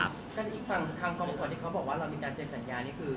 ทางที่ฝั่งทางกองประกวดที่เขาบอกว่าเรามีการเซ็นสัญญานี่คือ